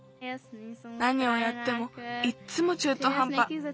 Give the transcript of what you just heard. なにをやってもいっつもちゅうとはんぱ。